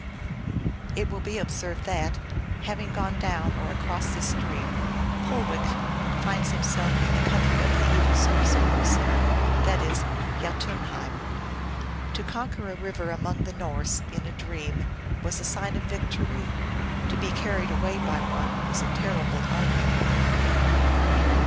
It will be observed that, having gone down or across this stream, Pulewech finds himself in the country of the Evil sorcerers ; that is, Jdtunheim. To conquer a river among the Norse, in a dream, was a sign of victory ; to be carried away by one was a terrible omen.